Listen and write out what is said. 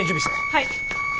はい。